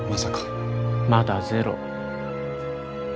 まだゼロ。